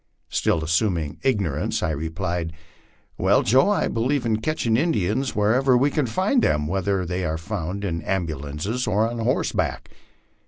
Still assuming ignorance, I replied, Well, Joe, I believe in catching Indians wherever we can find them, whether they are found in ambulances or on horseback."